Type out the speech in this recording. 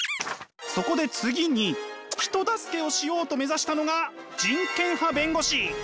そこで次に人助けをしようと目指したのが人権派弁護士。